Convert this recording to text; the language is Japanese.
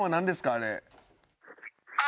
あれ。